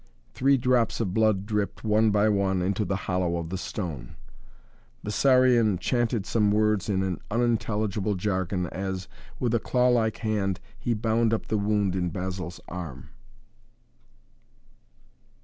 Three drops of blood dripped, one by one, into the hollow of the stone. Bessarion chanted some words in an unintelligible jargon as, with a claw like hand, he bound up the wound in Basil's arm.